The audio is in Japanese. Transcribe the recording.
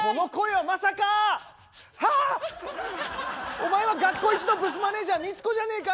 お前は学校一のブスマネージャーミツコじゃねえか！